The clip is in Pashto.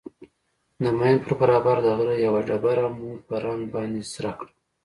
د ماين پر برابر د غره يوه ډبره مو په رنگ باندې سره کړه.